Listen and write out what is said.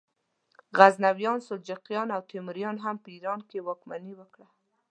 غزنویانو، سلجوقیانو او تیموریانو هم په ایران واکمني وکړه.